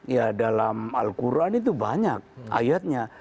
ya dalam al quran itu banyak ayatnya